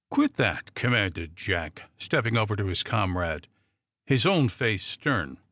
"Quit that!" commanded Jack, stepping over to his comrade, his own face stern.